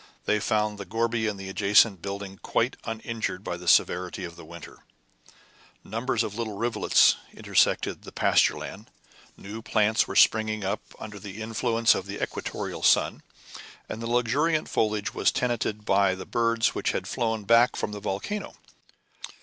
They found the gourbi and the adjacent building quite uninjured by the severity of the winter; numbers of little rivulets intersected the pasture land; new plants were springing up under the influence of the equatorial sun, and the luxuriant foliage was tenanted by the birds which had flown back from the volcano.